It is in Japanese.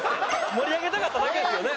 盛り上げたかっただけですよね。